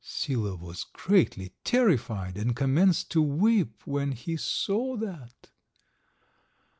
Sila was greatly terrified, and commenced to weep when he saw that.